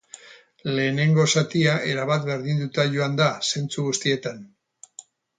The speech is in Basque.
Lehenengo zatia erabat berdinduta joan da, zentzu guztietan.